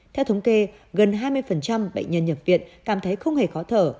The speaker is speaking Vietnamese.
theo thống kê gần hai mươi bệnh nhân nhập viện cảm thấy không hề khó thở